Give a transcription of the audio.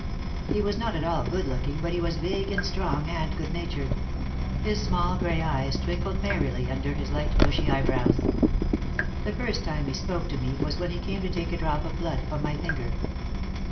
He was not at all good looking but he was big and strong and good natured. His small grey eyes twinkled merrily under his light bushy eyebrows. The first time he spoke to me was when he came to take a drop of blood from my finger.